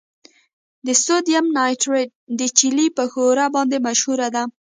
د سوډیم نایټریټ د چیلي په ښوره باندې مشهوره ده.